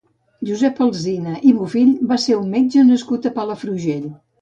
Josep Alsina i Bofill va ser un metge nascut a Palafrugell.